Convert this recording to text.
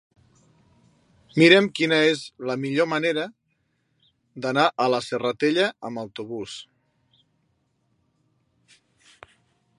Mira'm quina és la millor manera d'anar a la Serratella amb autobús.